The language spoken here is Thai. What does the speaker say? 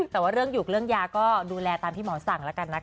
แต่ว่าเรื่องอยู่เรื่องยาก็ดูแลตามที่หมอสั่งแล้วกันนะคะ